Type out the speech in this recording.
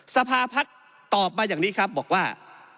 สภาพัฒน์ตอบมาอย่างนี้ครับบอกว่า